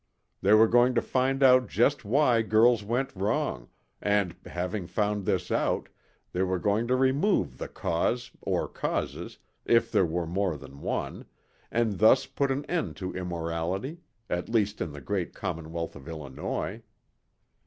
They were going to find out just why girls went wrong and, having found this out, they were going to remove the cause, or causes if there were more than one, and thus put an end to immorality at least in the great commonwealth of Illinois.